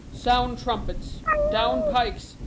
"Sound, trumpets! Down, pikes!"